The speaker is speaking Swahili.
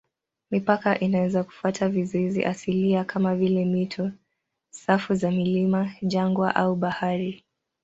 Mipaka inaweza kufuata vizuizi asilia kama vile mito, safu za milima, jangwa au bahari.